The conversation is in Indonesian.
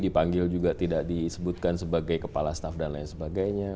dipanggil juga tidak disebutkan sebagai kepala staff dan lain sebagainya